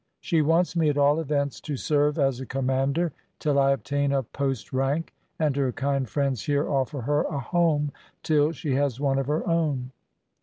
She wants me, at all events, to serve as a commander till I obtain a post rank; and her kind friends here offer her a home till she has one of her own.